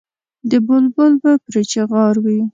د بلبل به پرې چیغار وي.